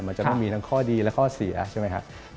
มันจะต้องมีทั้งข้อดีและข้อเสียใช่ไหมครับ